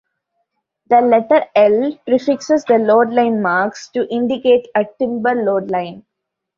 The letter "L" prefixes the load line marks to indicate a timber load line.